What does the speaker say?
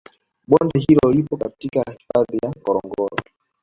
Bonde hilo lipo katika hifadhi ya ngorongoro